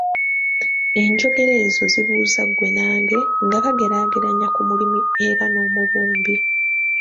Enjogera ezo zibuuza ggwe nange, nga bageraageranya ku mulimi era n'omubumbi.